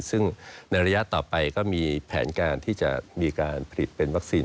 ซึ่งในระยะต่อไปก็มีแผนการที่จะมีการผลิตเป็นวัคซีน